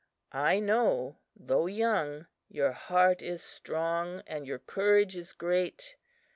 I know, though young, your heart is strong and your courage is great.